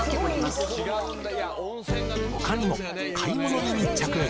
他にも、買い物に密着。